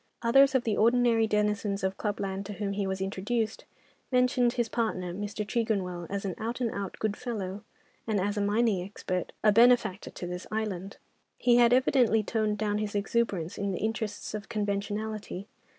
Others of the ordinary denizens of club land to whom he was introduced mentioned his partner, Mr. Tregonwell, as an out and out good fellow, and, as a mining expert, a benefactor to this island. He had evidently toned down his exuberance in the interests of conventionality.